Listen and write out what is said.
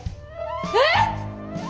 えっ！？